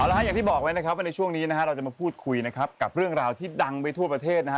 แล้วอย่างที่บอกไว้นะครับว่าในช่วงนี้นะฮะเราจะมาพูดคุยนะครับกับเรื่องราวที่ดังไปทั่วประเทศนะฮะ